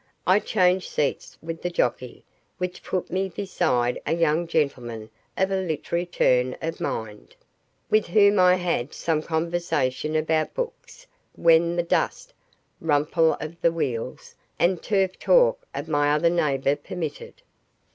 I changed seats with the jockey, which put me beside a young gentleman of a literary turn of mind, with whom I had some conversation about books when the dust, rumble of wheels, and turf talk of my other neighbour permitted.